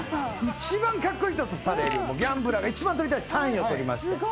一番カッコイイとされるギャンブラーが一番取りたい３位を取りまして。